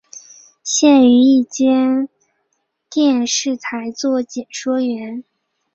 现于一间电视台做解说员。